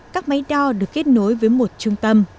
các máy đo được kết nối với một trung tâm